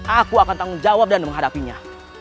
aku akan tanggung jawab dan menghadapinya